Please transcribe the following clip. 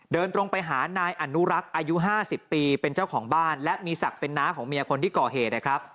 เดินตรงไปหานายอนุรักษ์อายุ๕๐ปีเป็นเจ้าของบ้านและมีศักดิ์เป็นน้าของเมียคนที่ก่อเหตุนะครับ